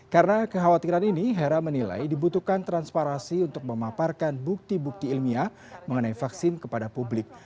karena kekhawatiran ini herawati menilai dibutuhkan transparansi untuk memaparkan bukti bukti ilmiah mengenai vaksin kepada publik